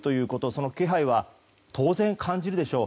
その気配は当然感じるでしょう。